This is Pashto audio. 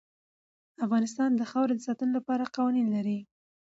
افغانستان د خاوره د ساتنې لپاره قوانین لري.